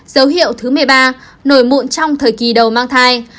dấu hiệu thứ một mươi ba nổi mụn trong thời kỳ đầu mang thai